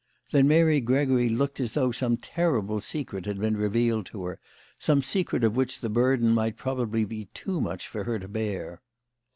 Then Mary Gregory looked as though some terrible secret had been revealed to her some secret of which the burden might probably be too much for her to bear.